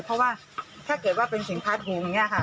เพราะว่าถ้าเกิดว่าเป็นสินพัดหูอย่างนี้ค่ะ